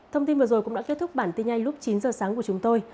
thông tin vừa rồi cũng đã kết thúc bản tin nhanh lúc chín giờ sáng của chúng tôi